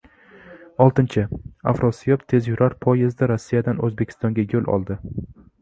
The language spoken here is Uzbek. Oltinchi "Afrosiyob" tezyurar poyezdi Rossiyadan O‘zbekistonga yo‘l oldi